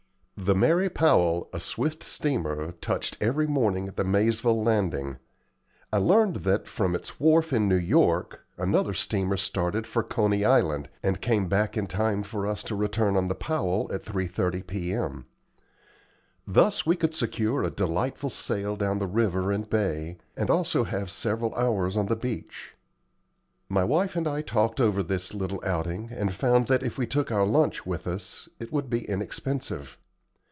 The "Mary Powell," a swift steamer, touched every morning at the Maizeville Landing. I learned that, from its wharf, in New York, another steamer started for Coney Island, and came back in time for us to return on the "Powell" at 3.30 P.M. Thus we could secure a delightful sail down the river and bay, and also have several hours on the beach. My wife and I talked over this little outing, and found that if we took our lunch with us, it would be inexpensive.